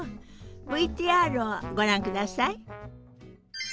ＶＴＲをご覧ください。